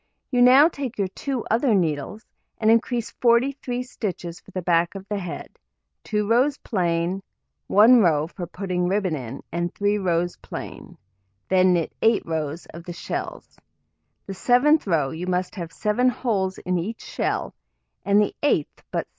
You now take your two other needles, and increase 43 stitches for the back of the head; 2 rows plain, 1 row for putting ribbon in, and 3 rows plain, then knit 8 rows of the shells; the 7th row you must have 7 holes in each shell, and the 8th but 6.